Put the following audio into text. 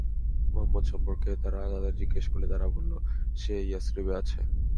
মুহাম্মদ সম্পর্কে তারা তাদের জিজ্ঞেস করলে তারা বলল, সে ইয়াসরিবে আছে।